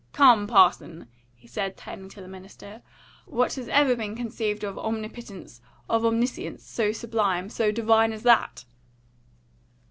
Come, parson!" he said, turning to the minister, "what has ever been conceived of omnipotence, of omniscience, so sublime, so divine as that?"